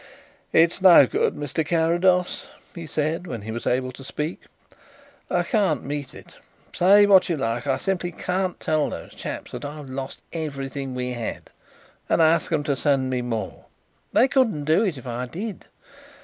"It's no good, Mr. Carrados," he said, when he was able to speak. "I can't meet it. Say what you like, I simply can't tell those chaps that I've lost everything we had and ask them to send me more. They couldn't do it if I did.